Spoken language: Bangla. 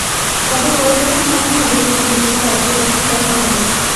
তবে পরে যখন সময় হবে, চুক্তির বিষয় আসবে তখন কথা হবে।